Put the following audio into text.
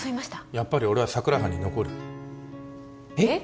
やっぱり俺は佐久良班に残るえっ？